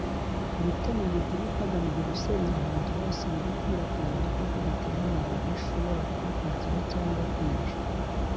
gutema ibihuru hagamijwe gusenya ahantu hose imibu ikwirakwiza udukoko dutera malariya ishobora kororokera cyangwa kwihisha